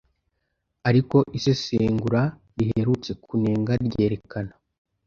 ariko isesengura riherutse kunenga ryerekana